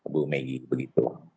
bu megi begitu